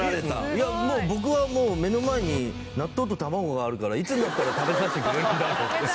いやもう僕はもう目の前に納豆と卵があるからいつになったら食べさせてくれるんだろうって。